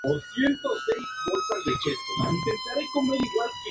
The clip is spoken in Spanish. Tiene fronteras con Níger, limita con el departamento de Agadez.